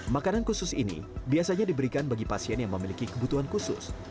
makanan khusus ini biasanya diberikan bagi pasien yang memiliki kebutuhan khusus